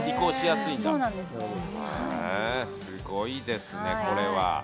すごいですね、これは。